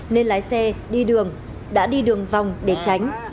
nên lái xe đi đường đã đi đường vòng để tránh